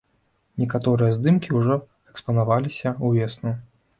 Некаторыя здымкі ўжо экспанаваліся ўвесну.